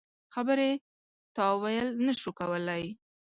خبرې تاویل نه شو کولای.